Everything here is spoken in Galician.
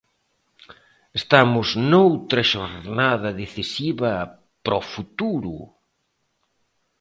Estamos noutra xornada decisiva para o futuro.